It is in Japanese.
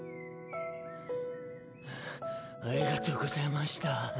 はぁありがとうございました。